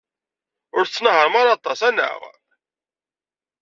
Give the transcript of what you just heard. Ur tettenhaṛem ara aṭas, anaɣ?